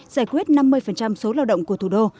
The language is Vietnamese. giải quyết năm mươi số lao động của thủ đô